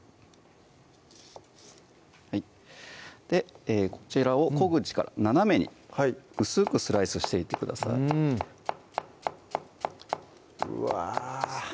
はいこちらを小口から斜めに薄くスライスしていってくださいうわ